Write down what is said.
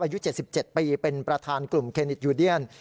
อายุ๗๗ปีเป็นประธานกลุ่มเครดิตยูเดียน